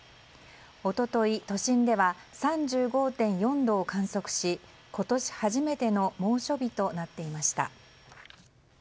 一昨日、都心では３５．４度を観測し今年初めての猛暑日となっていました。